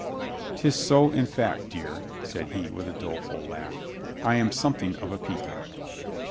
" 'Tis so, in fact, dear," said he with a doleful laugh. "I am something of a peacock."